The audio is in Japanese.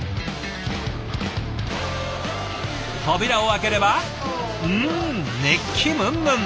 扉を開ければうん熱気ムンムン。